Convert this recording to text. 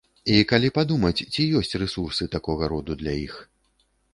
І калі падумаць, ці ёсць рэсурсы такога роду для іх?